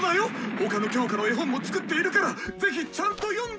他の教科の絵本も作っているから是非ちゃんと読んで！